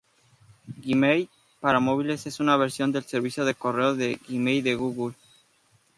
Gmail para móviles es una versión del servicio de correo de Gmail de Google.